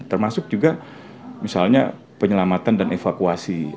termasuk juga misalnya penyelamatan dan evakuasi